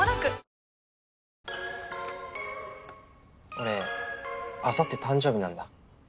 俺あさって誕生日なんだ。